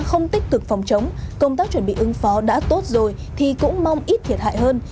không tích cực phòng chống công tác chuẩn bị ứng phó đã tốt rồi thì cũng mong ít thiệt hại hơn